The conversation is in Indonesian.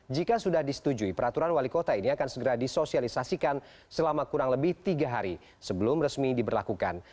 jika sudah disetujui peraturan wali kota ini akan segera disosialisasikan selama kurang lebih tiga hari sebelum resmi diberlakukan